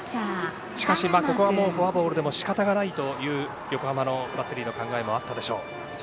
しかし、ここはフォアボールでもしかたがないという横浜のバッテリーの考えもあったでしょう。